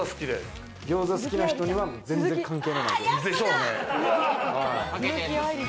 餃子好きな人には全然関係のない料理。